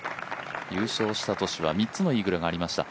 優勝した年は３つのイーグルがありました。